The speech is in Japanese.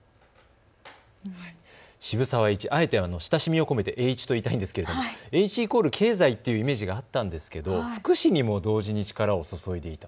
渋沢栄一、親しみを込めて栄一と言いたいんですけれども、栄一イコール経済というイメージがあったんですけれども福祉にも同時に力を注いでいた。